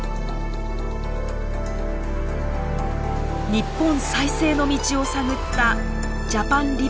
日本再生の道を探った「ジャパン・リバイバル」。